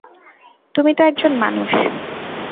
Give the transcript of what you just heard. তুমি তো একজন মানুষ।